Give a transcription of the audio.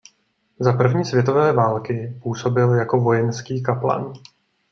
Za první světové války působil jako vojenský kaplan.